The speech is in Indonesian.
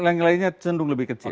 yang lainnya cenderung lebih kecil